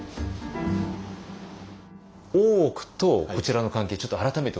大奥とこちらの関係ちょっと改めて教えて頂けますか？